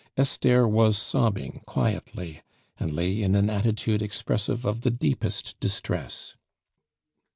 Esther was sobbing quietly, and lay in an attitude expressive of the deepest distress.